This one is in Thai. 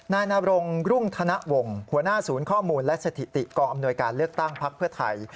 นายนรงรุ่งธนวงศ์หัวหน้าศูนย์ข้อมูลและสถิติกองอำนวยการเลือกตั้งพักเพื่อไทย